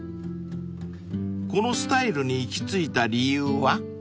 ［このスタイルに行き着いた理由は？］